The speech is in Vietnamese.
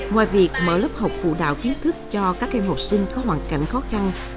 ngoài việc mở lớp học phụ đạo kiến thức cho các em học sinh có hoàn cảnh khó khăn